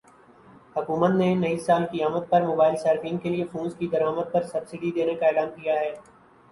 حکومت نے نئی سال کی آمد پر موبائل صارفین کے لیے فونز کی درآمد پرسبسڈی دینے کا اعلان کیا ہے